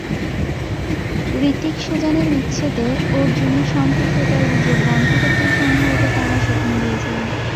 হূতিক-সুজানের বিচ্ছেদে অর্জুনের সম্পৃক্ততার গুজব বন্ধ করতেই সম্ভবত তাঁরা সেখানে গিয়েছিলেন।